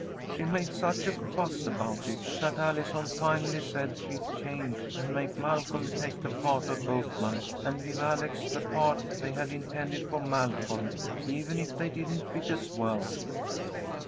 She made such a fuss about it, that Allison finally said she'd change, and make Malcolm take the part of boatman, and give Alex the part they had intended for Malcolm, even if they didn't fit as well."